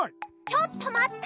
ちょっとまった！